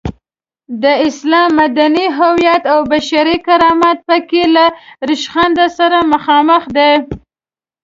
د اسلام مدني هویت او بشري کرامت په کې له ریشخند سره مخامخ دی.